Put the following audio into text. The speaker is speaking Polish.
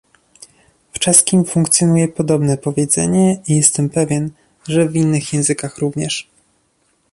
W czeskim funkcjonuje podobne powiedzenie i jestem pewien, że w innych językach również